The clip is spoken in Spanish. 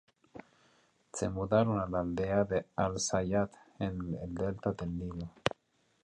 Se mudaron a la aldea de Al-Zayyat, en el Delta del Nilo.